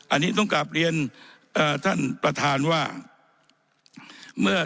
อันนี้ต้องกลับเรียนท่านประธานว่าเมื่อ